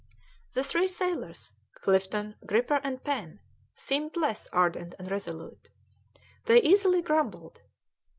The three sailors, Clifton, Gripper, and Pen, seemed less ardent and resolute; they easily grumbled.